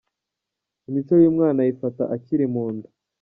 Imico y’umwana ayifata akiri mu nda